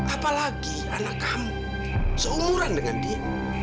apalagi anak kamu seumuran dengan dia